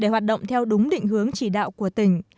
để hoạt động theo đúng định hướng chỉ đạo của tỉnh